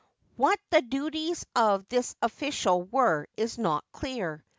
What the duties of this official were is not clear.